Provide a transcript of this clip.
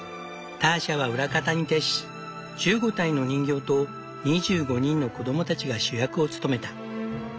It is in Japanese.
ターシャは裏方に徹し１５体の人形と２５人の子供たちが主役を務めた。